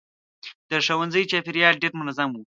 د ښوونځي چاپېریال ډېر منظم و.